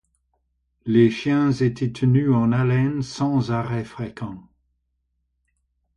Les chiens étaient tenus en haleine sans arrêts fréquents.